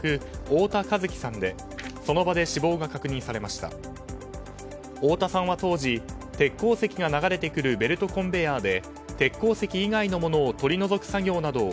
太田さんは当時、鉄鉱石が流れてくるベルトコンベヤーで鉄鉱石以外のものを取り除く作業などを